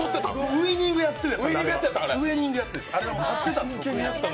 ウィニングやってた。